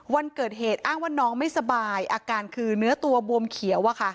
วันเกิดเหตุอ้างว่าน้องไม่สบายอาการคือเนื้อตัวบวมเขียว